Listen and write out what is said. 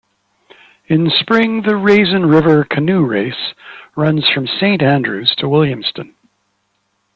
In spring, the "Raisin River Canoe Race" runs from Saint Andrews to Williamstown.